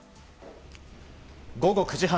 午後９時半。